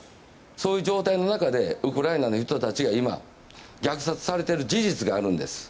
そういう状態の中でウクライナの人たちが今、虐殺されている事実があるんです。